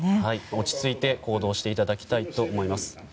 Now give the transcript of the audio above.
落ち着いて行動していただきたいと思います。